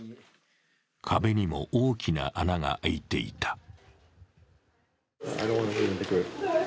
壁にも大きな穴が開いていた。